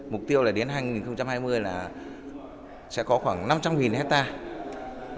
mục tiêu là đến hai nghìn hai mươi là sẽ có khoảng năm trăm linh hectare